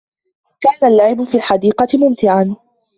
كان اللعب في الحديقة ممتعا.